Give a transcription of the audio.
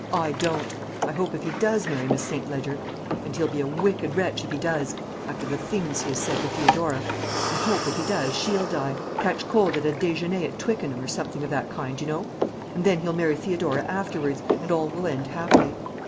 I don't. I hope if he does marry Miss St. Ledger and he'll be a wicked wretch if he does, after the things he has said to Theodora I hope, if he does, she'll die catch cold at a déjeuner at Twickenham, or something of that kind, you know; and then he'll marry Theodora afterwards, and all will end happily.